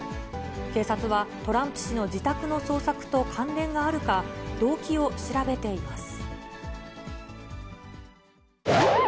警察は、トランプ氏の自宅の捜索と関連があるか、動機を調べています。